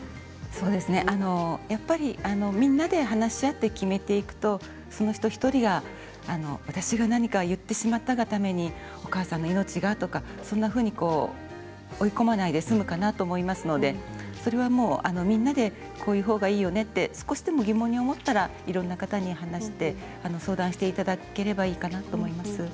そうですね、やっぱりみんなで話し合って決めていくとその人、１人が私が何か言ってしまったがためにお母さんの命がとかそんなふうに追い込まないで済むかなと思いますのでそれはみんなでこういうほうがいいよねって少しでも疑問に思ったらいろんな方に話して相談していただければいいかなと思います。